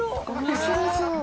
面白そう。